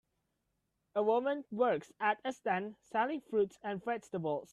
A woman works at a stand selling fruit and vegetables.